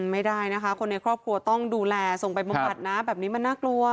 ไม่ได้นะคะคนในครอบครัวต้องดูแลส่งไปบำบัดนะแบบนี้มันน่ากลัว